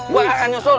gue akan nyusul